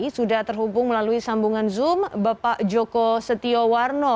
sudah terhubung melalui sambungan zoom bapak joko setiowarno